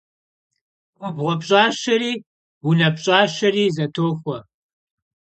Gubğue pş'aşere vune pş'aşere zetoxue.